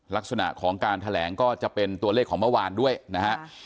ลักษณะของการแถลงก็จะเป็นตัวเลขของเมื่อวานด้วยนะฮะ